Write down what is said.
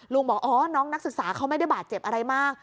บอกอ๋อน้องนักศึกษาเขาไม่ได้บาดเจ็บอะไรมาก